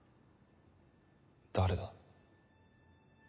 誰だ？